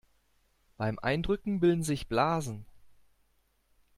Beim Eindrücken bilden sich Blasen.